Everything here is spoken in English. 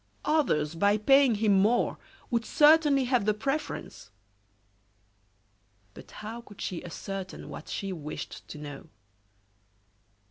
Others, by paying him more, would certainly have the preference! But how could she ascertain what she wished to know?